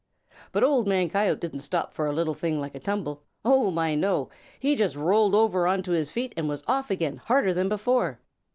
But Old Man Coyote didn't stop for a little thing like a tumble. Oh, my, no! He just rolled over on to his feet and was off again, harder than before.